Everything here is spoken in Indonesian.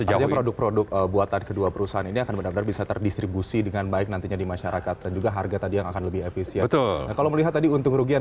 artinya produk produk buatan kedua perusahaan ini akan benar benar bisa terdistribusi dengan baik nantinya di masyarakat dan juga harga tadi yang akan lebih efisien